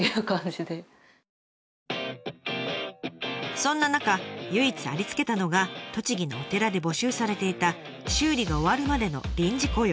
そんな中唯一ありつけたのが栃木のお寺で募集されていた修理が終わるまでの臨時雇用。